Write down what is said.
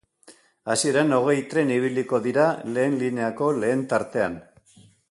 Hasieran hogei tren ibiliko dira lehen lineako lehen tartean.